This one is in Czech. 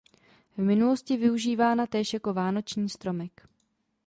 V minulosti využívána též jako vánoční stromek.